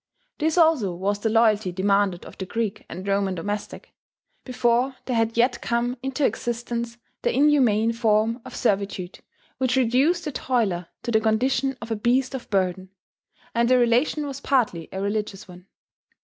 This also was the loyalty demanded of the Greek and Roman domestic, before there had yet come into existence that inhuman form of servitude which reduced the toiler to the condition of a beast of burden; and the relation was partly a religious one.